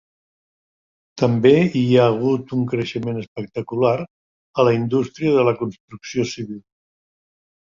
També hi ha hagut un creixement espectacular a la indústria de la construcció civil.